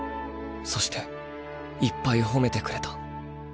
そしていっぱい褒めてくれた